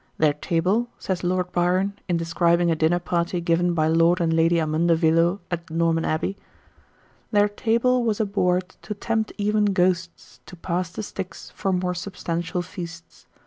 "Their table," says Lord Byron, in describing a dinner party given by Lord and Lady Amundevillo at Norman Abbey, "Their table was a board to tempt even ghosts To pass the Styx for more substantial feasts.